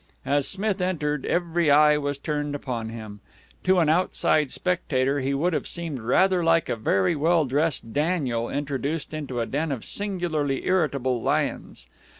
As Smith entered, every eye was turned upon him. To an outside spectator he would have seemed rather like a very well dressed Daniel introduced into a den of singularly irritable lions.